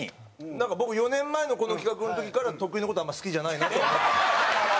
なんか僕４年前のこの企画の時から徳井の事あんまり好きじゃないなとは思って。